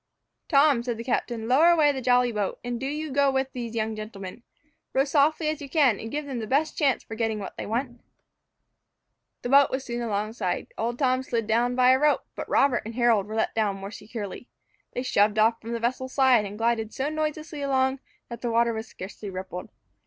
"Tom," said the captain, "lower away the jolly boat, and do you go with these young gentlemen. Row softly as you can, and give them the best chance for getting what they want." The boat was soon alongside. Old Tom slid down by a rope, but Robert and Harold were let down more securely. They shoved off from the vessel's side, and glided so noiselessly along, that the water was scarcely rippled.